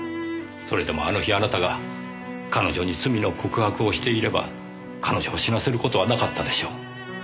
それでもあの日あなたが彼女に罪の告白をしていれば彼女を死なせる事はなかったでしょう。